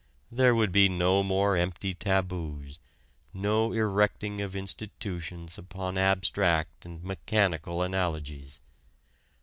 There would be no more empty taboos, no erecting of institutions upon abstract and mechanical analogies.